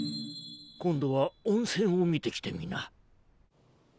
今度は温泉を見てきてみな。